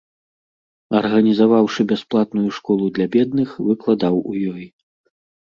Арганізаваўшы бясплатную школу для бедных, выкладаў у ёй.